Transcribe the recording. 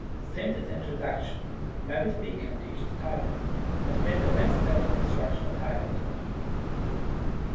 Since its introduction, Mavis Beacon Teaches Typing has been the best-selling instructional typing software.